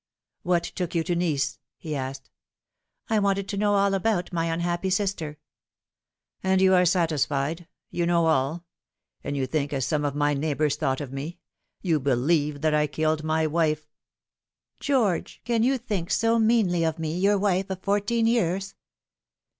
" What took you to Nice ?" he asked. " I wanted to know all about my unhappy sister." " And you are satisfied you know all ; and you think as some of my neighbours thought of me. You believe that I killed my wife." "George, can you think so meanly of me your wife of fourteen years